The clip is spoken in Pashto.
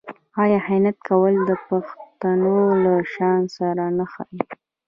آیا خیانت کول د پښتون له شان سره نه ښايي؟